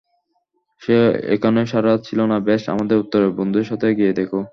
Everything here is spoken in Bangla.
সে ঐখানে সারারাত ছিলোনা বেশ, আমাদের উত্তরের বন্ধুদের সাথে গিয়ে দেখো।